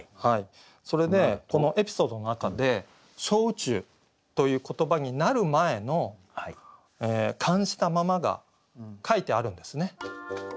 それでこのエピソードの中で「小宇宙」という言葉になる前の「感じたまま」が書いてあるんですね。